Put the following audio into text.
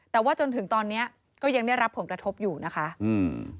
แต่ว่าจนถึงตอนเนี้ยก็ยังได้รับผลกระทบอยู่นะคะอืม